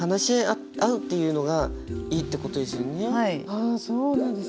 あそうなんですね。